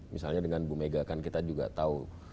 misalnya dengan bu mega kan kita juga tahu